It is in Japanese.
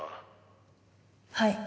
はい。